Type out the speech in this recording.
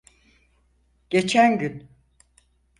Geçen gün.